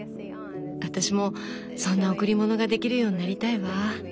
私もそんな贈り物ができるようになりたいわ。